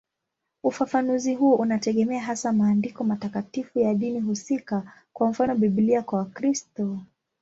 Ufafanuzi huo unategemea hasa maandiko matakatifu ya dini husika, kwa mfano Biblia kwa Wakristo.